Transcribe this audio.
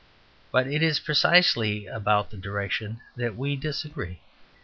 But it is precisely about the direction that we disagree.